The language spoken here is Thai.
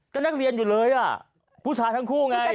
ก็นักเรียนอยู่เลยอ่ะผู้ชายทั้งคู่ไง